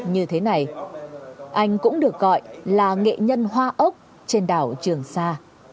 như thế này anh cũng được gọi là nghệ nhân hoa ốc trên đảo trường sa